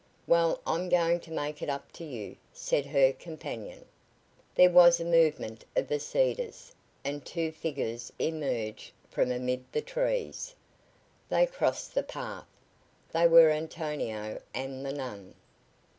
"Well, I'm going to make it up to you," said her companion. There was a movement of the cedars, and two figures emerged from amid the trees. They crossed the path. They were Antonio and the nun.